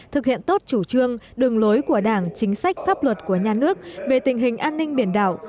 thực hiện tốt chủ trương đường lối của đảng chính sách pháp luật của nhà nước về tình hình an ninh biển đảo